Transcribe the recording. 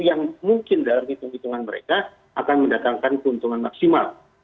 yang mungkin dalam hitung hitungan mereka akan mendatangkan keuntungan maksimal